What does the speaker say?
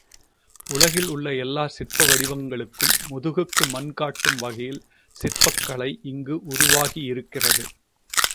உலகில் உள்ள எல்லா சிற்ப வடிவங்களுக்கும் முதுகுக்கு மண் காட்டும் வகையில் சிற்பக்கலை இங்கு உருவாகியிருக்கிறது.